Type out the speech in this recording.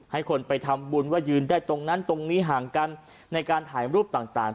ให้คนไปทำบุญว่ายืนได้ตรงนั้นตรงนี้ห่างกันในการถ่ายรูปต่าง